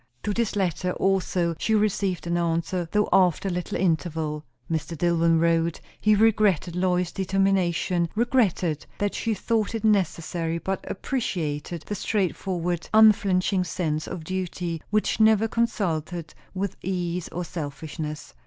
To this letter also she received an answer, though after a little interval. Mr. Dillwyn wrote, he regretted Lois's determination; regretted that she thought it necessary; but appreciated the straightforward, unflinching sense of duty which never consulted with ease or selfishness.